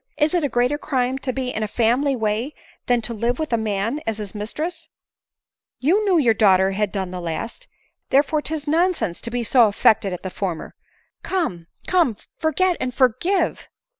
" Is it a greater crime to be in a family way, than to live with a man as his mistress ?— You knew your daughter had done the last ; therefore 'tis nonsense to be so affected at the former. Come, come, forget and for give